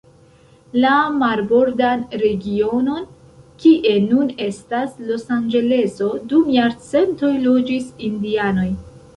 La marbordan regionon, kie nun estas Los Anĝeleso, dum jarcentoj loĝis indianoj.